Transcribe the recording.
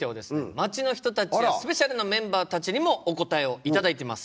街の人たちやスペシャルなメンバーたちにもお答えを頂いてます。